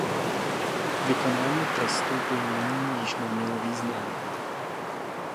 Vykonání trestu by nyní již nemělo význam.